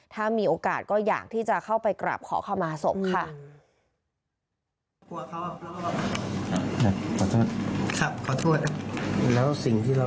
ถ้ามีโอกาสก็อยากที่จะเข้าไปกราบขอเข้ามาศพค่ะ